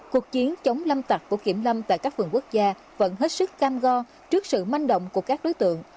cuộc chiến chống lâm tạc của kiểm lâm tại các phường quốc gia vẫn hết sức cam go trước sự manh động của các đối tượng